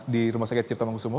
di rumah sakit cintama sumo